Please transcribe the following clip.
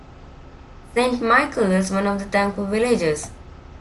Saint Michael is one of the Thankful Villages.